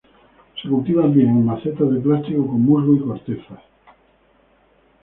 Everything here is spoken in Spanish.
Se cultivan bien en macetas de plástico con musgo y cortezas.